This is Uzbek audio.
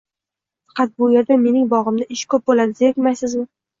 Faqat bu yerda mening bog'imda ish ko'p bo'ladi, zerikmaysizmi?